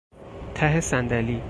ته صندلی